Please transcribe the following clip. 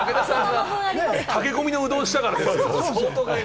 駆け込みのうどんをしたからですよ。